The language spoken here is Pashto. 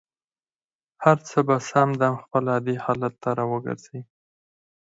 هر څه به سم دم خپل عادي حالت ته را وګرځي.